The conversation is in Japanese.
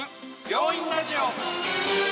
「病院ラジオ」。